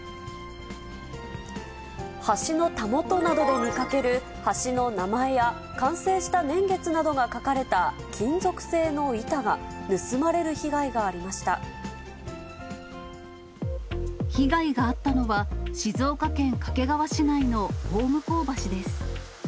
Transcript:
橋のたもとなどで見かける橋の名前や完成した年月などが書かれた金属製の板が盗まれる被害が被害があったのは、静岡県掛川市内の方向橋です。